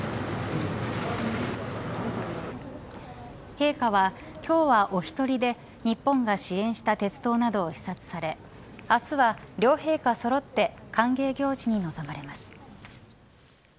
陛下は今日はお一人で日本が支援した鉄道などを視察され明日は両陛下そろって歓迎行事に臨まれます。